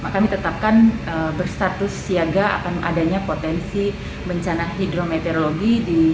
kami tetapkan berstatus siaga akan adanya potensi bencana hidrometeorologi